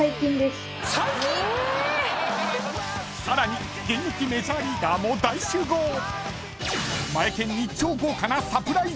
［さらに現役メジャーリーガーも大集合］